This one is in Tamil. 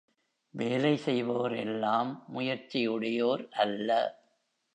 வேலை செய்வோரெல்லாம் முயற்சியுடையோர் அல்ல.